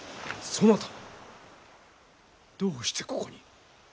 そなたどうしてここに！？